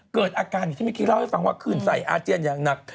เกิดอาการอย่างที่เมื่อกี้เล่าให้ฟังว่าขึ้นใส่อาเจียนอย่างหนัก